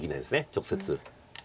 直接。